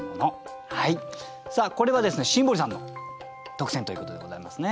これは新堀さんの特選ということでございますね。